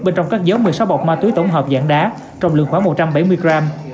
bên trong các dấu một mươi sáu bọc ma túy tổng hợp dạng đá trong lượng khoảng một trăm bảy mươi gram